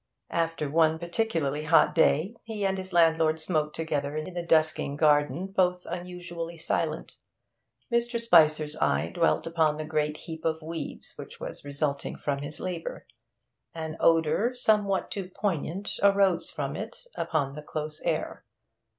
After one particularly hot day, he and his landlord smoked together in the dusking garden, both unusually silent. Mr. Spicer's eye dwelt upon the great heap of weeds which was resulting from his labour; an odour somewhat too poignant arose from it upon the close air.